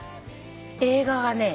映画がね